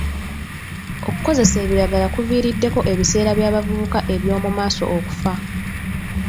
Okukozesa ebiragala kuviiriddeko ebiseera by'abavubuka eby'omu maaso okufa.